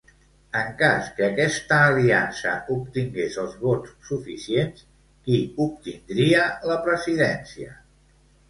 En cas que aquesta aliança obtingués els vots suficients, qui obtindria la presidència?